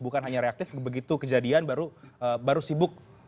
bukan hanya reaktif begitu kejadian baru sibuk